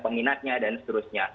peminatnya dan seterusnya